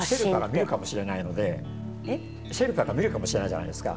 シェルパが見るかもしれないじゃないですか。